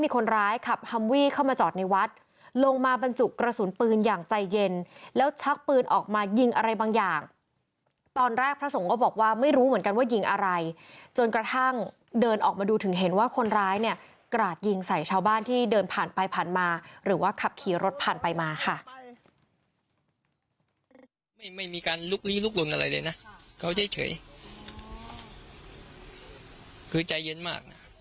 คนร้ายขับฮัมวี่เข้ามาจอดในวัดลงมาบรรจุกระสุนปืนอย่างใจเย็นแล้วชักปืนออกมายิงอะไรบางอย่างตอนแรกพระสงฆ์ก็บอกว่าไม่รู้เหมือนกันว่ายิงอะไรจนกระทั่งเดินออกมาดูถึงเห็นว่าคนร้ายเนี่ยกราดยิงใส่ชาวบ้านที่เดินผ่านไปผ่านมาหรือว่าขับขี่รถผ่านไปมาค่ะ